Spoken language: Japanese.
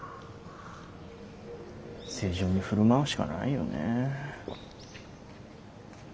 正常に振る舞うしかないよねえ。